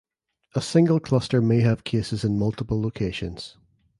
A single cluster may have cases in multiple locations.